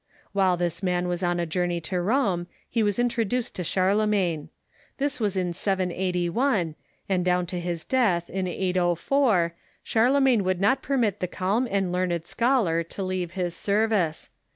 While this man was on a journey to Rome, he was introduced to Charlemagne. This was in 781, and down to his death, in 804, Charlemagne would not permit the calm and learned scholar to leave his service.